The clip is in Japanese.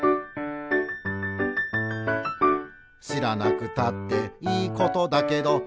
「しらなくたっていいことだけど」